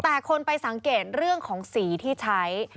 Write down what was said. คุณผู้ชมไปสังเกตเรื่องของสีที่ใช้